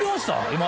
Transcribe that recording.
今。